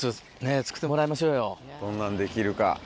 どんなんできるか。